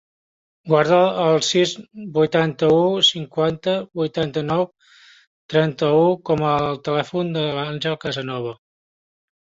Guarda el sis, vuitanta-u, cinquanta, vuitanta-nou, trenta-u com a telèfon de l'Àngel Casanova.